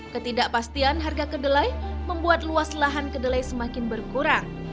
ketidakpastian harga kedelai membuat luas lahan kedelai semakin berkurang